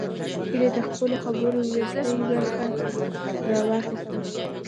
هيلې د خپلو خبرو وروستۍ برخه راواخيسته